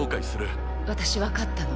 私分かったの。